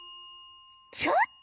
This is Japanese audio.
ちょっと！？